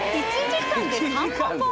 １時間で３万本？